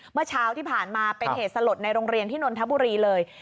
เมื่อเช้าที่ผ่านมาเป็นเหตุสลดในโรงเรียนที่นนทบุรีเลย